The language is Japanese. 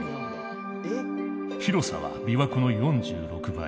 広さは琵琶湖の４６倍。